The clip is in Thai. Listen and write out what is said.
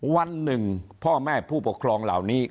วันหนึ่งพ่อแม่ผู้ปกครองเหล่านี้